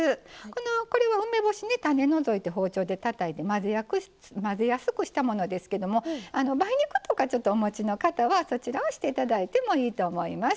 これは梅干しね種を除いて包丁でたたいて混ぜやすくしたものですけども梅肉とかお持ちの方はそちらをして頂いてもいいと思います。